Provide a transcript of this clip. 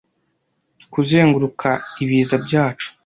kuzenguruka ibiza byacu